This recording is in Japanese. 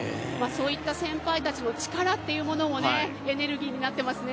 そういった先輩たちの力というものもエネルギーになっていますね。